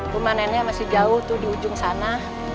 rumah nenek masih jauh tuh di ujung sana